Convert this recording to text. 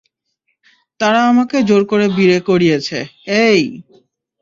তারা আমাকে জোর করে বিয়ে করিয়েছে-- -এই!